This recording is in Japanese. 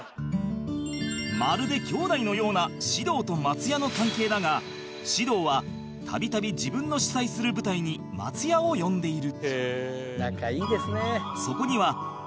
まるで兄弟のような獅童と松也の関係だが獅童はたびたび自分の主宰する舞台に松也を呼んでいる